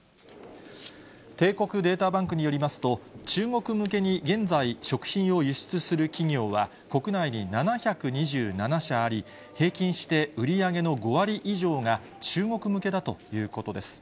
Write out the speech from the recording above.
帝国データバンクによりますと、中国向けに現在、食品を輸出する企業は、国内に７２７社あり、平均して売り上げの５割以上が中国向けだということです。